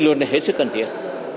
luật này hết sức cần thiết